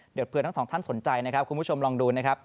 เดี๋ยวเผื่อทั้งสองท่านสนใจนะครับคุณผู้ชมลองดูนะครับ